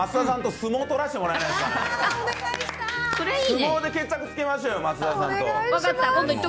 相撲で決着つけましょうよ、増田さんと。